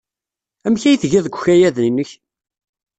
Amek ay tgiḍ deg ukayad-nnek?